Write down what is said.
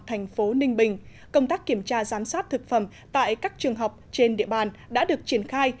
thành phố ninh bình công tác kiểm tra giám sát thực phẩm tại các trường học trên địa bàn đã được triển khai